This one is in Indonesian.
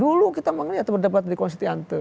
dulu kita mengenai perdebatan di konstianto